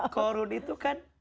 korun itu kan